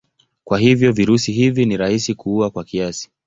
Kwa hivyo virusi hivi ni rahisi kuua kwa kiasi.